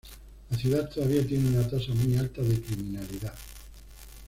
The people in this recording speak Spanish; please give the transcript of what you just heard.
La ciudad todavía tiene una tasa muy alta de criminalidad.